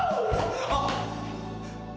あっ。